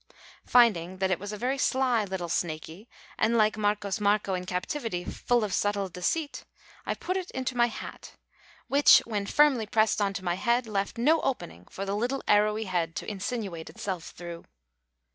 Finding that it was a very sly little snakey, and, like Marcos Marcó in captivity, full of subtle deceit, I put it into my hat, which, when firmly pressed on to my head, left no opening for the little arrowy head to insinuate itself through.